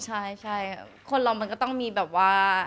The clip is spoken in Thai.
ใช่คนเรามันก็ต้องมีแบบว่า